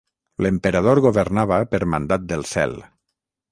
L'emperador governava per mandat del Cel.